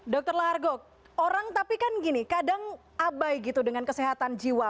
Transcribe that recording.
dr lahargo orang tapi kan gini kadang abai gitu dengan kesehatan jiwa